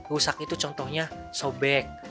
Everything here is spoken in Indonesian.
rusak itu contohnya sobek